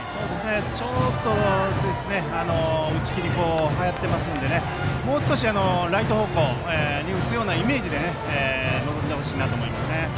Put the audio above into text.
ちょっと打ち気にはやっているのでもう少しライト方向に打つようなイメージで臨んで欲しいなと思います。